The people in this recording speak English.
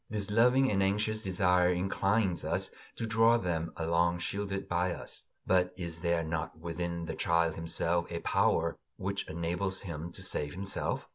This loving and anxious desire inclines us to draw them along shielded by us. But is there not within the child himself a power which enables him to save himself?